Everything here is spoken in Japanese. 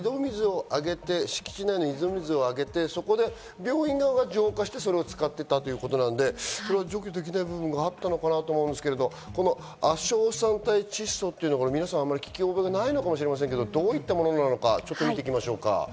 井戸水をあげて、病院側が浄化して、それを使っていたということなので、除去できない部分があったのかなと思うんですけど、亜硝酸態窒素というのを皆さん、あまり聞き覚えがないかもしれませんが、どういったものか見ていきましょう。